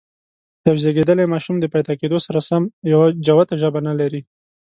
یو زېږيدلی ماشوم د پیدا کېدو سره سم یوه جوته ژبه نه لري.